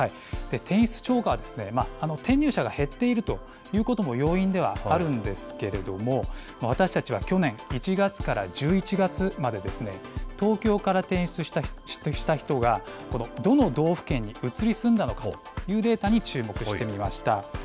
転出超過は転入者が減っているということも要因ではあるんですけれども、私たちは去年１月から１１月まで東京から転出した人がどの道府県に移り住んだのかというデータに注目してみました。